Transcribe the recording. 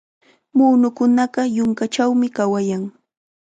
Muunukunaqa yunkachawmi kawayan.